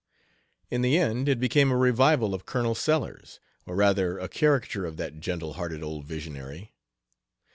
In the end it became a revival of Colonel Sellers, or rather a caricature of that gentle hearted old visionary.